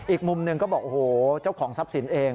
อีกมุมหนึ่งก็บอกโอ้โหเจ้าของทรัพย์สินเอง